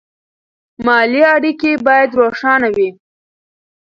مالي اړیکې باید روښانه وي.